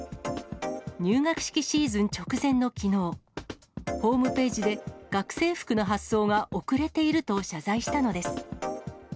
入学式シーズン直前のきのう、ホームページで学生服の発送が遅れていると謝罪したのです。